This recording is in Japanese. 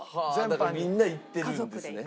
だからみんな行ってるんですね？